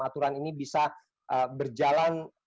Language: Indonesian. aturan ini bisa berjalan